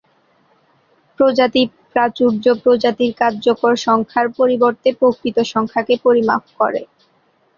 প্রজাতি প্রাচুর্য প্রজাতির কার্যকর সংখ্যার পরিবর্তে প্রকৃত সংখ্যাকে পরিমাপ করে।